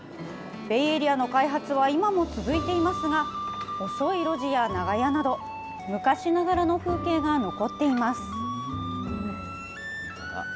ベイエリアの開発は今も続いていますが、細い路地や長屋など、昔ながらの風景が残っています。